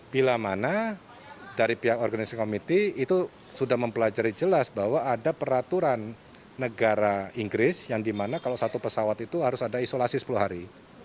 bila mana dari pihak organisasi komiti itu sudah mempelajari jelas bahwa ada peraturan negara inggris yang dimana kalau satu pesawat itu harus ada isolasi sepuluh hari